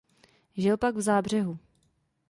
Žil pak v Zábřehu.